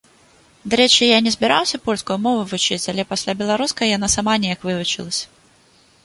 Дарэчы, я не збіраўся польскую мову вучыць, але пасля беларускай яна сама неяк вывучылася.